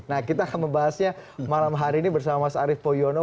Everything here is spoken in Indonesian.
nah kita akan membahasnya malam hari ini bersama mas arief poyono